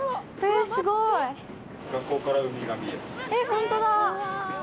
本当だ！